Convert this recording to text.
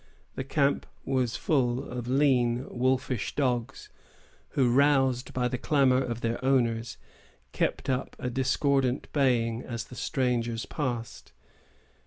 The camp was full of lean, wolfish dogs, who, roused by the clamor of their owners, kept up a discordant baying as the strangers passed.